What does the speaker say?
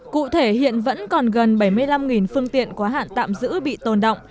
cụ thể hiện vẫn còn gần bảy mươi năm phương tiện quá hạn tạm giữ bị tồn động